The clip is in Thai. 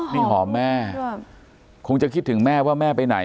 นี่หอมแม่คงจะคิดถึงแม่ว่าแม่ไปไหน